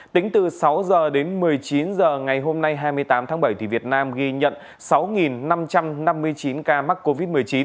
tính từ sáu h đến một mươi chín h ngày hôm nay hai mươi tám tháng bảy việt nam ghi nhận sáu năm trăm năm mươi chín ca mắc covid một mươi chín